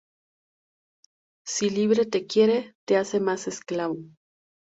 Si libre te quiere, te hace más esclavo.